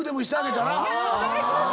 お願いします。